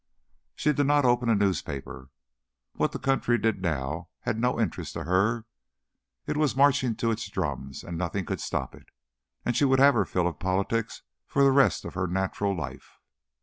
She did not open a newspaper. What the country did now had no interest for her; it was marching to its drums, and nothing could stop it. And she would have her fill of politics for the rest of her natural life.